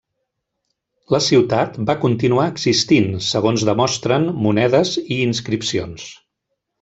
La ciutat va continuar existint segons demostren monedes i inscripcions.